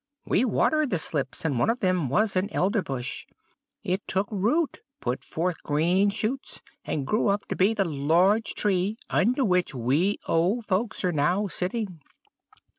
We watered the slips, and one of them was an Elderbush. It took root, put forth green shoots, and grew up to be the large tree under which we old folks are now sitting.'